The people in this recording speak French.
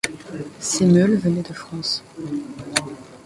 Ces meules venaient de France.